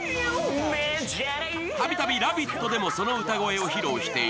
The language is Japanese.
たびたび「ラヴィット！」でもその歌声を披露している